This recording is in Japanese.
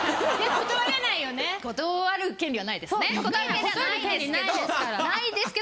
断る権利はないですけど。